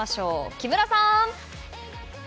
木村さん！